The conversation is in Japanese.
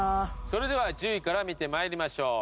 それでは１０位から見て参りましょう。